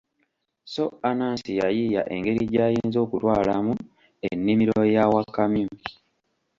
So Anansi yayiiya engeri gy'ayinza okutwalamu ennimiro ya wakamyu.